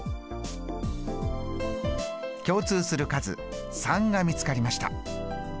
共通する数３が見つかりました。